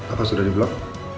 apa sudah di blok